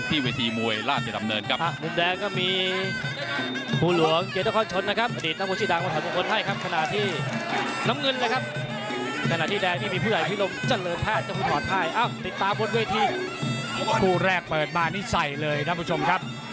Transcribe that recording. ที่เวสีมวยราชดำเนินครับ